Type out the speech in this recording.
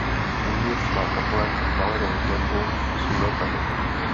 Uvnitř má kaple valenou klenbu s lunetami.